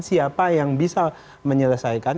siapa yang bisa menyelesaikan